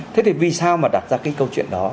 thế thì vì sao mà đặt ra cái câu chuyện đó